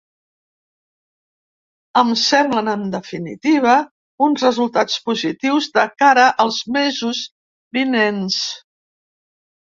Em semblen, en definitiva, uns resultats positius de cara als mesos vinents.